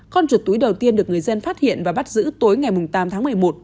con chuột túi đầu tiên được người dân phát hiện và bắt giữ tối ngày tám tháng một mươi một